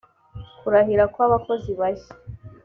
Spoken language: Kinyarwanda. kurahira kw abakozi bashya